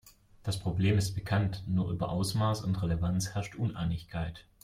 Das Problem ist bekannt, nur über Ausmaß und Relevanz herrscht Uneinigkeit.